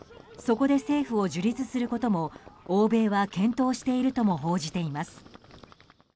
そこで政府を樹立することも欧米は検討しているとも報じています。